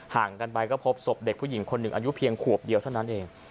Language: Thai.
ห่างกันไปก็พบศพเด็กผู้หญิงคนหนึ่งอายุเพียงขวบเดียวเท่านั้นเอง